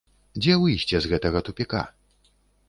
Дзе выйсце з гэтага тупіка?